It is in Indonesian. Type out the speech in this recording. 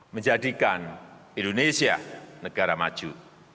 menjadikan indonesia negara maju